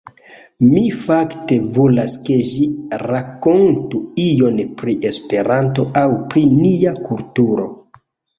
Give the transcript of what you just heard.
Mi fakte volas ke ĝi rankontu ion pri Esperanto aŭ pri nia kulturo.